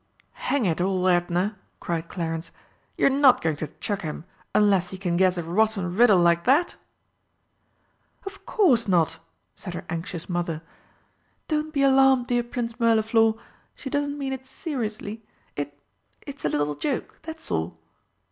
"Hang it all, Edna!" cried Clarence, "you're not going to chuck him unless he can guess a rotten riddle like that!" "Of course not!" said her anxious Mother. "Don't be alarmed, dear Prince Mirliflor. She doesn't mean it seriously. It it's a little joke, that's all!"